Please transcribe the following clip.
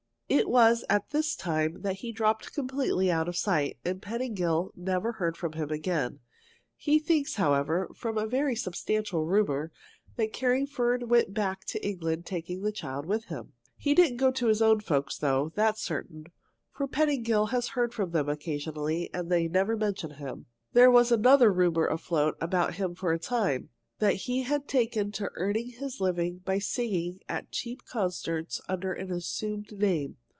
It was at this time that he dropped completely out of sight, and Pettingill never heard from him again. He thinks, however, from very substantial rumor, that Carringford went back to England, taking the child with him. He didn't go to his own folks, though, that's certain; for Pettingill has heard from them occasionally, and they never mention him. There was another rumor afloat about him for a time, that he had taken to earning his living by singing at cheap concerts under an assumed name.